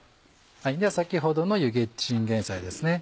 では先ほどのゆでチンゲンサイですね。